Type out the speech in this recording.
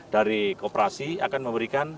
dari kooperasi akan memberikan